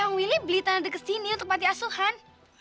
bang willy beli tanah dek kesini untuk pati asuhan